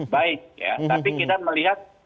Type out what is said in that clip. baik tapi kita melihat